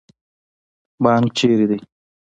بانک چیرته دی؟